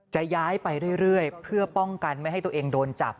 จะย้ายไปเรื่อยเพื่อป้องกันไม่ให้ตัวเองโดนจับ